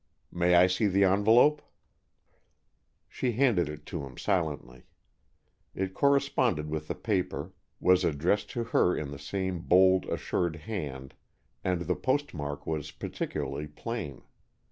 "May I see the envelope?" She handed it to him silently. It corresponded with the paper, was addressed to her in the same bold, assured hand, and the postmark was particularly plain.